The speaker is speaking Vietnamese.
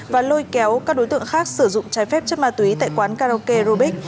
và lôi kéo các đối tượng khác sử dụng trái phép chất ma túy tại quán karaoke rubik